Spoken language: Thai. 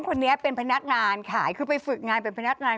คนนี้เป็นพนักงานขายคือไปฝึกงานเป็นพนักงาน